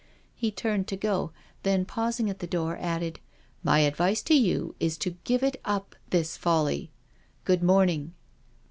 He turned to go, then pausing at the door, added: *• My advice to you is to give it up, this folly. Good morning."